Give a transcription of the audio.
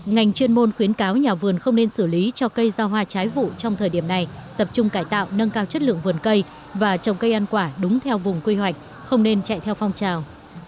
ngành chuyên môn khuyến cáo nhà vườn không nên xử lý cho cây ra hoa trái vụ trong thời điểm này tập trung cải tạo nâng cao chất lượng vườn cây và trồng cây ăn quả đúng theo vùng quy hoạch không nên chạy theo phong trào